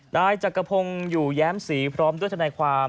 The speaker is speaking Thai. นายจักรพงศ์อยู่แย้มศรีพร้อมด้วยทนายความ